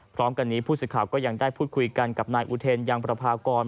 พร้อมกันนี้ผู้สื่อข่าวก็ยังได้พูดคุยกันกับนายอุเทนยังประพากร